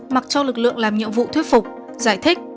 mặc cho lực lượng làm nhiệm vụ thuyết phục giải thích